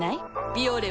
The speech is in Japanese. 「ビオレ」